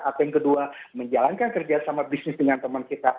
atau yang kedua menjalankan kerjasama bisnis dengan teman kita